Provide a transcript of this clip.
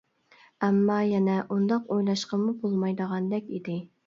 ئەمما يەنە ئۇنداق ئويلاشقىمۇ بولمايدىغاندەك ئىدى.